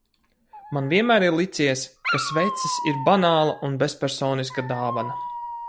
Man vienmēr ir licies, ka sveces ir banāla un bezpersoniska dāvana.